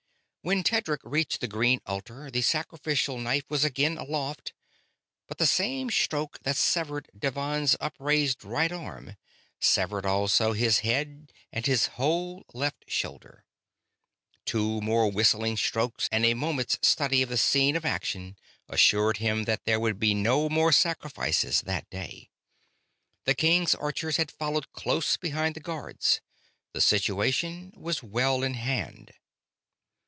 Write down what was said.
When Tedric reached the green altar the sacrificial knife was again aloft; but the same stroke that severed Devann's upraised right arm severed also his head and his whole left shoulder. Two more whistling strokes and a moment's study of the scene of action assured him that there would be no more sacrifice that day. The King's Archers had followed close behind the Guards; the situation was well in hand.